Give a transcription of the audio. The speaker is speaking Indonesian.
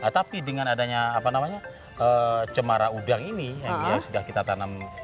tapi dengan adanya apa namanya cemara udang ini yang sudah kita tanam